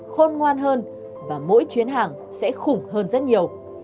khôn ngoan hơn và mỗi chuyến hàng sẽ khủng hơn rất nhiều